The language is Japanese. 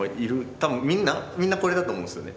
多分みんなみんなこれだと思うんですよね。